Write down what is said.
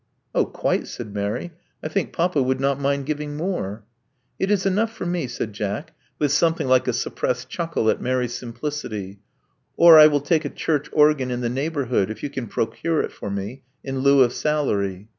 " (*Oh, quite," said Mary. I think papa would not mind giving more. '' It is enough for me," said Jack, with something like a suppressed chuckle at Mary's simplicity. Or, I will take a church organ in the neighborhood, if you can procure it for me, in lieu of salary."